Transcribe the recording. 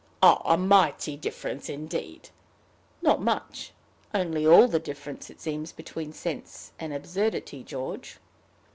"A mighty difference indeed!" "Not much only all the difference, it seems, between sense and absurdity, George."